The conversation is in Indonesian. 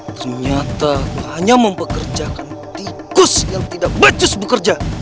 ternyata aku hanya mempekerjakan tikus yang tidak becus bekerja